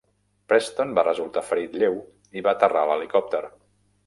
Preston va resultar ferit lleu i va aterrar l'helicòpter.